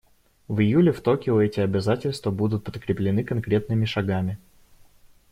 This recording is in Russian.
В июле в Токио эти обязательства будут подкреплены конкретными шагами.